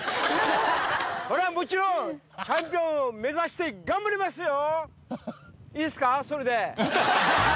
そりゃもちろんチャンピオンを目指して頑張りますよ！